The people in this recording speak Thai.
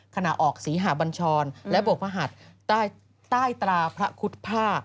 คณะออกศรีหาบัญชรและบวกภาหัตต้ายตราพระคุทภา